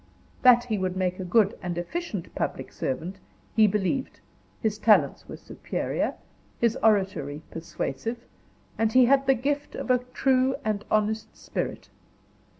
That he would make a good and efficient public servant, he believed; his talents were superior, his oratory persuasive, and he had the gift of a true and honest spirit.